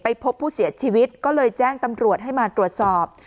พบผู้เสียชีวิตก็เลยแจ้งตำรวจให้มาตรวจสอบ